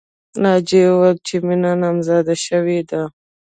ناجیې وویل چې مینه نامزاده شوې ده